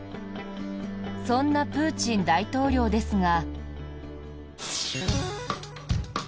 そんなプーチン大統領ですが。